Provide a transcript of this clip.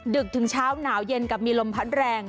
ดึกถึงเช้าหนาวเย็นกับมีลมพัดแรง